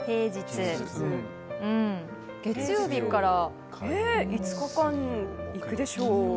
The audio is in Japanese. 月曜日から５日間行くでしょう。